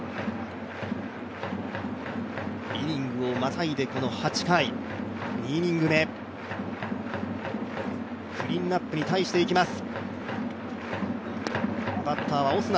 イニングをまたいで、この８回、２イニング目、クリーンアップに対していきます。